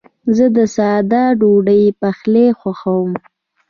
زه د ساده ډوډۍ پخلی خوښوم.